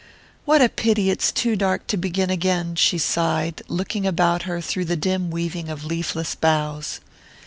"What a pity it's too dark to begin again!" she sighed, looking about her through the dim weaving of leafless boughs.